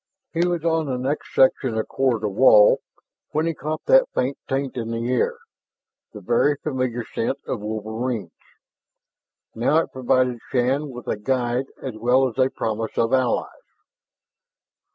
He was on the next section of corridor wall when he caught that faint taint in the air, the very familiar scent of wolverines. Now it provided Shann with a guide as well as a promise of allies.